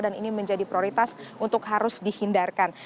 dan ini menjadi prioritas untuk harus dihindarkan